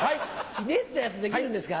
ひねったやつできるんですか？